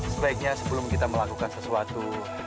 sebaiknya sebelum kita melakukan sesuatu